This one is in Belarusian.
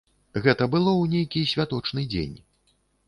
Гэта было ў нейкі святочны дзень.